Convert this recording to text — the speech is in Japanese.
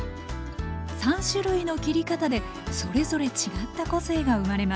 ３種類の切り方でそれぞれ違った個性が生まれます。